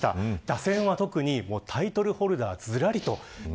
打線は特にタイトルホルダーずらりと。